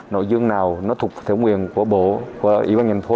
nội dung nào nó thuộc thống quyền của bộ và ủy ban ngành phố